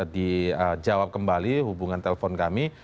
dijawab kembali hubungan telpon kami